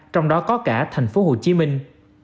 trong đó có cả thành phố hồ chí minh